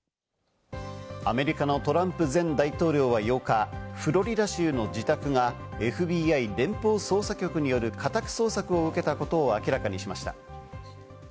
アメリカのトランプ前大統領は８日、フロリダ州の自宅がＦＢＩ＝連邦捜査局による家宅捜索を受けたことを明らかにしました。